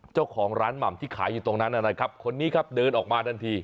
เจ้าของร้านหม่ำที่ขายอยู่ตรงนั้นนะครับคนนี้ครับเดินออกมาทันที